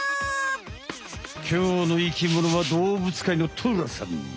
きょうの生きものはどうぶつかいのトラさん。